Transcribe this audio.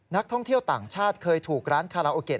นักท่องเที่ยวต่างชาติเคยถูกร้านคาราโอเกะ